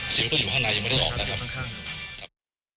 ก็อยู่ข้างในยังไม่ได้ออกนะครับ